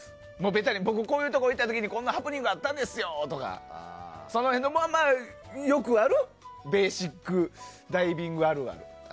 ベタにこういうところ行った時にこういうハプニングあったんですよとかその辺の、よくあるベーシックダイビングあるある。